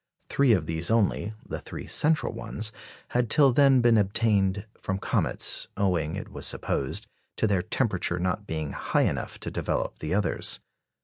Three of these only the three central ones had till then been obtained from comets; owing, it was supposed, to their temperature not being high enough to develop the others.